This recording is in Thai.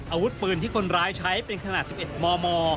อาวุธปืนที่คนร้ายใช้เป็นขนาด๑๑มม